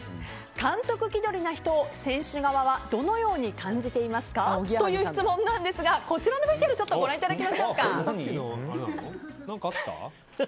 監督気取りな人を選手側はどのように感じていますか？という質問なんですがこちらのＶＴＲご覧ください。